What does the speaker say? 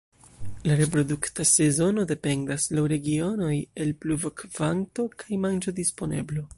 La reprodukta sezono dependas laŭ regionoj el pluvokvanto kaj manĝodisponeblo.